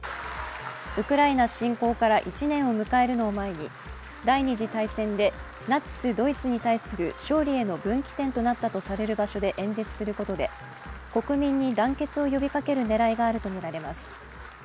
ウクライナ侵攻から１年を迎えるのを前に第二次大戦でナチス・ドイツに対する勝利への分岐点となったとされる場所で演説することで国民に団結を呼びかける狙いがあるとみられます。